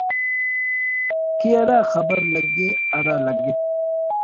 کہ ہرا خبر لگے ہرا لگپ